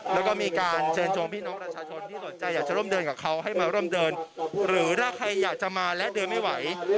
แล้วก็มีการเชิญจวงพี่น้องประชาชนที่สนใจอยากจะร่วมเดินกับเขาให้มาร่วมเดินหรือถ้าใครอยากจะมาและเดินไม่ไหว